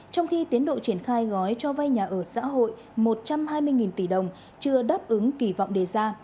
trong khi tiến độ triển khai gói cho vay nhà ở xã hội một trăm hai mươi tỷ đồng chưa đáp ứng kỳ vọng đề ra